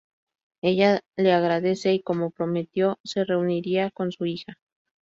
Ella le agradece y, como prometió, se reuniría con su hija.